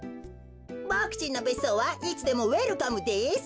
ボクちんのべっそうはいつでもウエルカムです。